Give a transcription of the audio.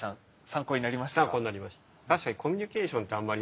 参考になりました。